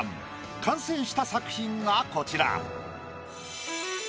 完成した作品がこちら。